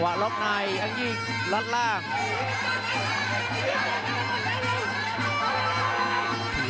วางแค่ขวาเติม